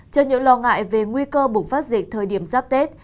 trước những lo ngại về nguy cơ bùng phát dịch thời điểm giáp tết